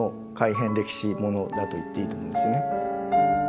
だと言っていいと思うんですよね。